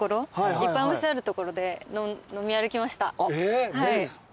いっぱいお店ある所で飲み歩きました。